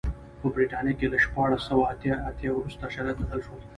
په برېټانیا کې له شپاړس سوه اته اتیا وروسته شرایط بدل شول.